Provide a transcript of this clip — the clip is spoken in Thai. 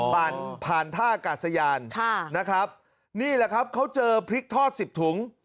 ผ่านผ่านท่ากาศยานค่ะนะครับนี่แหละครับเขาเจอพริกทอดสิบถุง